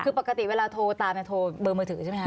คือปกติเวลาโทรตามโทรเบอร์มือถือใช่ไหมค